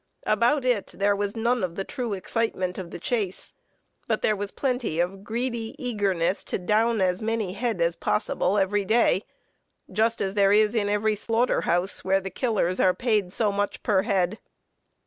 About it there was none of the true excitement of the chase; but there was plenty of greedy eagerness to "down" as many "head" as possible every day, just as there is in every slaughter house where the killers are paid so much per head.